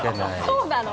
そうなの？